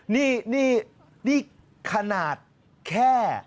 นี่ขนาดแค่